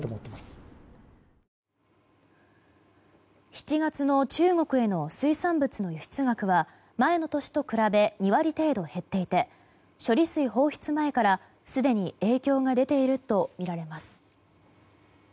７月の中国への水産物の輸出額は前の年と比べ２割程度減っていて処理水放出前から、すでに影響が出ているとみられます。